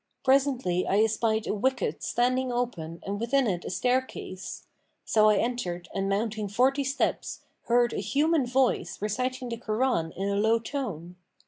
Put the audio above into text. Presently I espied a wicket[FN#510] standing open and within it a staircase: so I entered and mounting forty steps, heard a human voice reciting the Koran in a low tone.